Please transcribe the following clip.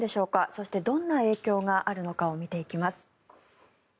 そして、どんな影響があるのかを見ていきます。